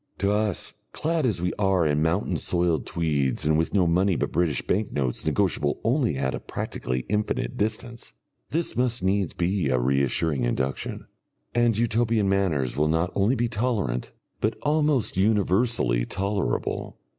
To us, clad as we are in mountain soiled tweeds and with no money but British bank notes negotiable only at a practically infinite distance, this must needs be a reassuring induction. And Utopian manners will not only be tolerant, but almost universally tolerable.